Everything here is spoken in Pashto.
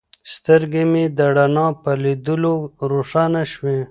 سترګې مې د رڼا په لیدلو روښانه شوې.